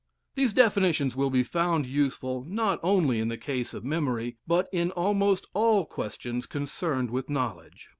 These definitions will be found useful, not only in the case of memory, but in almost all questions concerned with knowledge.